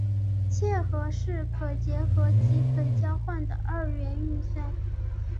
楔和是可结合及可交换的二元运算。